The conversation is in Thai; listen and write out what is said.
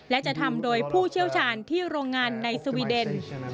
และจะทำโดยผู้เชี่ยวชาญที่โรงงานในสวีเดน